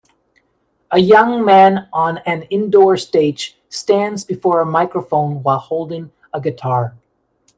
A young man on an indoor stage stands before a microphone while holding a guitar.